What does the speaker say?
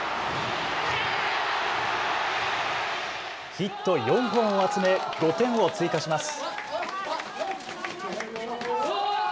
ヒット４本を集め５点を追加します。